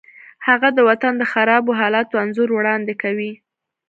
هغه د وطن د خرابو حالاتو انځور وړاندې کوي